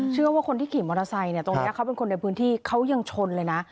เชื่อว่าคนที่ขี่มอเตอร์ไซค์เนี่ยตรงนี้เขาเป็นคนในพื้นที่เขายังชนเลยนะ